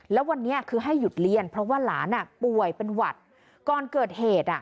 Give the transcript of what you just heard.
แล้ววันนี้คือให้หยุดเรียนเพราะว่าหลานอ่ะป่วยเป็นหวัดก่อนเกิดเหตุอ่ะ